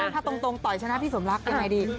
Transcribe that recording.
ถ้าตรงต่อยชนะพี่สมรักยังไงดี